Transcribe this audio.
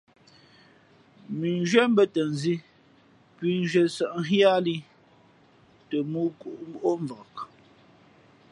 Mʉnzhwíé mbαtα nzī pʉ̌nzhwíé sα̌ʼ nhíá lī th mōō kǔʼ móʼ mvak.